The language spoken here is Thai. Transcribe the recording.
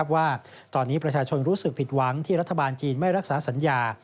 ว่าตอนนี้ประชาชนรู้สึกผิดหวังที่รัฐบาลจีนไม่รักษาสัญญา